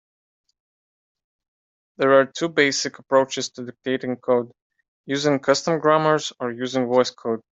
There are two basic approaches to dictating code: using custom grammars or using VoiceCode.